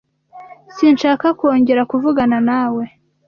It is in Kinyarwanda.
Sinshaka kongera kuvuganawe nawe .